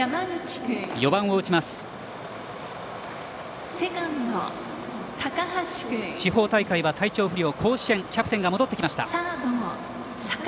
地方大会は体調不良甲子園、キャプテンが戻ってきました、高橋。